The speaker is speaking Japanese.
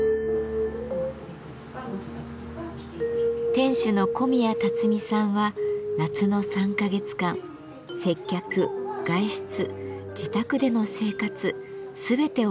店主の小宮たつみさんは夏の３か月間接客外出自宅での生活全てを浴衣で過ごします。